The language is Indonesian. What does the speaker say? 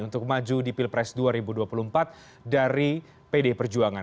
untuk maju di pilpres dua ribu dua puluh empat dari pd perjuangan